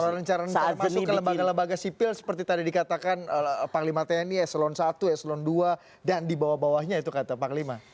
kalau rencana masuk ke lembaga lembaga sipil seperti tadi dikatakan panglima tni eselon satu eselon dua dan di bawah bawahnya itu kata panglima